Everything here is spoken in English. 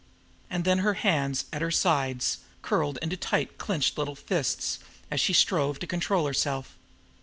And then her hands at her sides curled into tight clenched little fists as she strove to control herself.